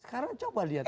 sekarang coba lihat